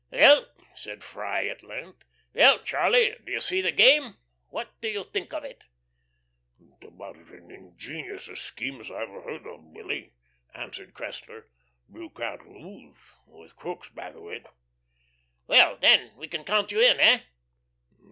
"Well," said Freye, at length, "well, Charlie, do you see the game? What do you think of it?" "It's about as ingenious a scheme as I ever heard of, Billy," answered Cressler. "You can't lose, with Crookes back of it." "Well, then, we can count you in, hey?"